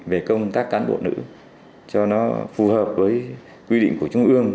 về công tác cán bộ nữ cho nó phù hợp với quy định của trung ương